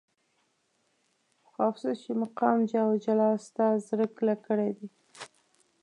خو افسوس چې مقام جاه او جلال ستا زړه کلک کړی دی.